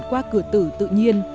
qua cửa tử tự nhiên